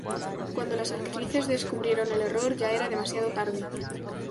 Cuando las actrices descubrieron el error ya era demasiado tarde.